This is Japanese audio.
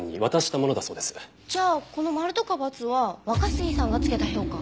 じゃあこのマルとかバツは若杉さんがつけた評価。